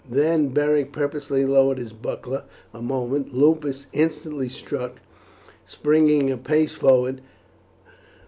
Then Beric purposely lowered his buckler a moment; Lupus instantly struck, springing a pace forward.